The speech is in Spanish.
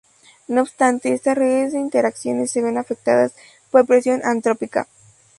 No obstante, estas redes de interacciones se ven afectadas por presión antrópica.